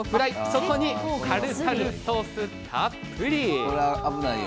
そこにタルタルソースたっぷり。